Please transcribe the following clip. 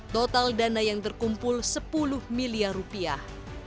total dana yang terkumpul sepuluh miliar rupiah